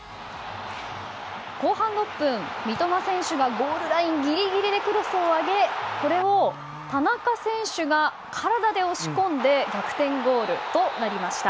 後半６分、三笘選手がゴールラインギリギリでクロスを上げ、これを田中選手が体で押し込んで逆転ゴールとなりました。